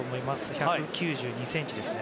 １９２ｃｍですね。